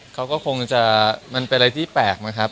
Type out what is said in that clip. เขาก็คงจะมันเป็นอะไรที่แปลกนะครับ